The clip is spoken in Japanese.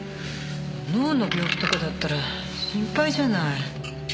脳の病気とかだったら心配じゃない。